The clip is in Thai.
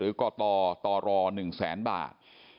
หรือก็ตอรอ๑แสนบาท